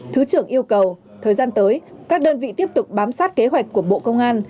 thứ trưởng yêu cầu thời gian tới các đơn vị tiếp tục bám sát kế hoạch của bộ công an